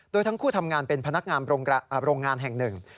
โดยทั้งคู่ทำงานเป็นพนักงานโรงงานแห่งหนึ่ง